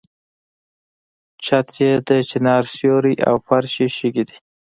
چت یې د چنار سیوری او فرش یې شګې دي.